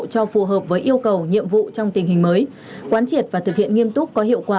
cho phù hợp với yêu cầu nhiệm vụ trong tình hình mới quán triệt và thực hiện nghiêm túc có hiệu quả